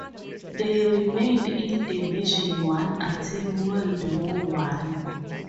They remained in Division One until World War One.